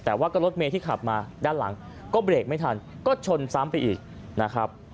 แต่ว่าก็รถเมย์ที่ขับมาด้านหลังก็เบรกไม่ทันก็ชนซ้ำไปอีกนะครับ